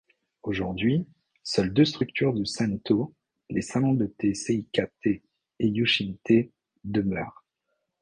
Aujourd'hui, seules deux structures du Sentō, les salons de thé Seika-tei et Yushin-tei, demeurent.